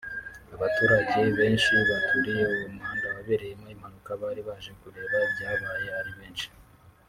Abaturage benshi baturiye uwo muhanda wabereyemo impanuka bari baje kureba ibyabaye ari benshi